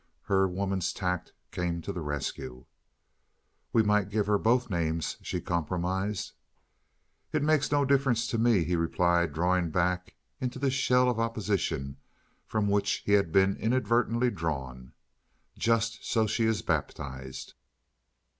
Her woman's tact came to the rescue. "We might give her both names," she compromised. "It makes no difference to me," he replied, drawing back into the shell of opposition from which he had been inadvertently drawn. "Just so she is baptized."